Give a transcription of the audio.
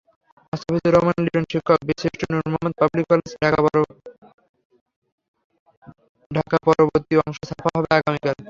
মোস্তাফিজুর রহমান লিটন, শিক্ষক, Birsreshtho Noor Mohammad Public College, ঢাকাপরবর্তী অংশ ছাপা হবে আগামীকাল।